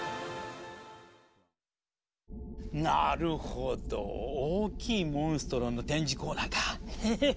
なるほど大きいモンストロの展示コーナーか。